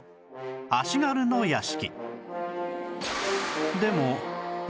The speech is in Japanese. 足軽の屋敷